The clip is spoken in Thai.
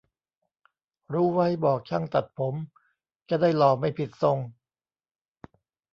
รู้ไว้บอกช่างตัดผม จะได้หล่อไม่ผิดทรง